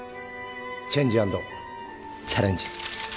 チェンジアンドチャレンジ！